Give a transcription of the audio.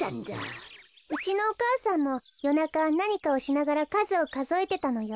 うちのお母さんもよなかなにかをしながらかずをかぞえてたのよ。